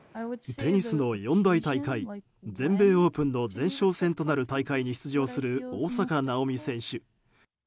テニスの四大大会全米オープンの前哨戦となる大会に出場する大坂なおみ選手。